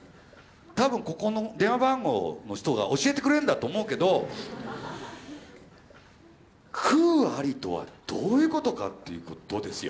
多分ここの電話番号の人が教えてくれるんだと思うけど「空あり」とはどういうことかっていうことですよ。